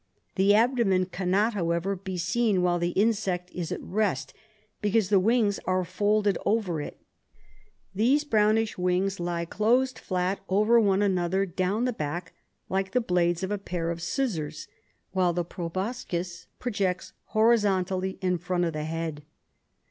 The abdomen cannot, however, be seen while the insect is at rest, because the wings are folded over it. These "brownish wings lie closed flat over one another down the back, like the blades of a pair of scissors, while the proboscis projects horizontally in front of the head."